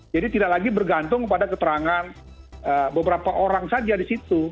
jadi tidak lagi bergantung pada keterangan beberapa orang saja di situ